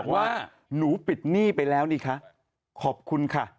ว่าหนูปิดหนี้ไปแล้วนี่คะขอบคุณค่ะ